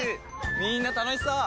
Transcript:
みんな楽しそう！